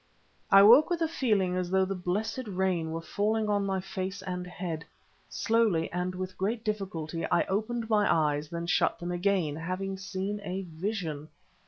I woke with a feeling as though the blessed rain were falling on my face and head. Slowly, and with great difficulty, I opened my eyes, then shut them again, having seen a vision.